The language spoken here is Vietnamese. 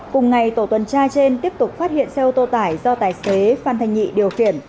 cùng ngày tổ tuần tra trên tiếp tục phát hiện xe ô tô tải do tài xế phan thành nhị điều khiển